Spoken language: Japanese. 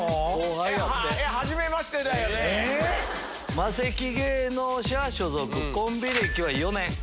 マセキ芸能社所属コンビ歴は４年。